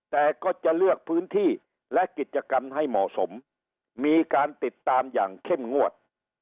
แต่ก็จะเลือกพื้นที่และกิจกรรมให้เหมาะสมมีการติดตามอย่างเข้มงวด